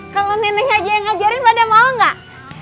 kalo nenek aja yang ngajarin pada mau gak